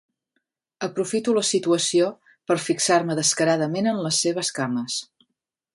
Aprofito la situació per fixar-me descaradament en les seves cames.